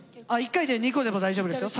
１回で２個でも大丈夫ですよ